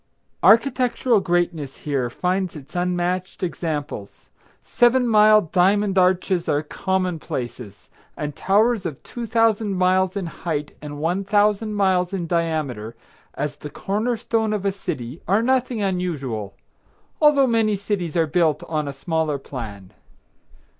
Architectural greatness here finds its unmatched examples. Seven mile diamond arches are common places, and towers of two thousand miles in height and one thousand miles in diameter, as the corner stone of a city, are nothing unusual, although many cities are built on a smaller plan.